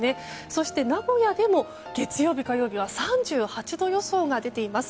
そして名古屋でも月曜日、火曜日は３８度予想が出ています。